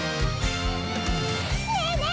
ねえねえ